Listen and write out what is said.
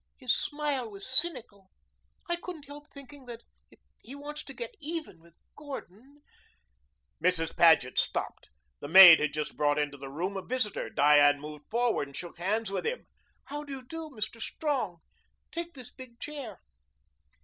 His smile was cynical. I couldn't help thinking that if he wants to get even with Gordon " Mrs. Paget stopped. The maid had just brought into the room a visitor. Diane moved forward and shook hands with him. "How do you do, Mr. Strong? Take this big chair."